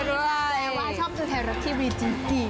รู้อะไรว่าชอบเทราติวิตจริง